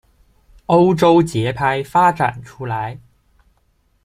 欧洲节拍发展出来。